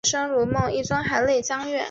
一开始是亨特学院在的分校。